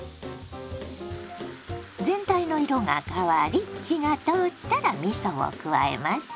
全体の色が変わり火が通ったらみそを加えます。